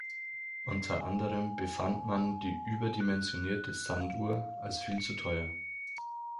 Unter anderem befand man die "überdimensionierte Sanduhr" als viel zu teuer.